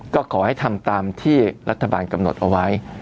ก็ขอให้ทำตามที่รัฐบาลกำหนดเอาไว้